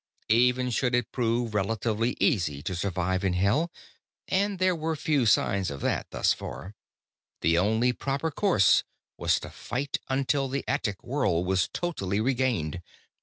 Even should it prove relatively easy to survive in Hell and there were few signs of that, thus far the only proper course was to fight until the attic world was totally regained.